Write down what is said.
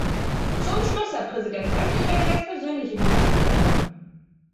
Zum Schluss, Herr Präsident, möchte ich eine ganz persönliche Bemerkung machen.